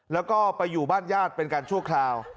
แล้วก็ไปอยู่บ้านญาติเป็นการชั่วคราว